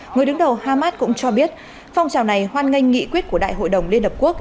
người đứng đầu hamas cũng cho biết phong trào này hoan nghênh nghị quyết của đại hội đồng liên hợp quốc